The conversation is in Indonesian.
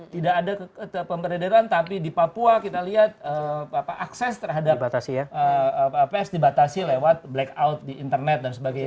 tidak ada pemberederan tapi di papua kita lihat akses terhadap ps dibatasi lewat blackout di internet dan sebagainya